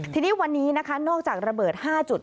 ทีนี้วันนี้นะคะนอกจากระเบิด๕จุด